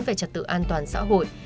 về trật tự an toàn xã hội